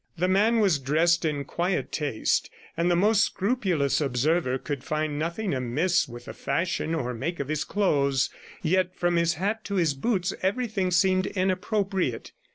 The man was dressed in quiet taste, and the most scrupulous observer could find nothing amiss with the fashion or make of his clothes; yet, from his hat to his boots, everything seemed inappropriate.